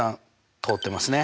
通ってますね。